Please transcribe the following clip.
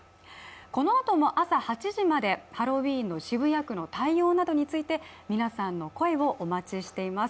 このあとも朝８時までハロウィーンの渋谷区の対応について皆さんの声をお待ちしています。